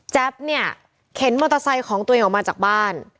เนี่ยเข็นมอเตอร์ไซค์ของตัวเองออกมาจากบ้าน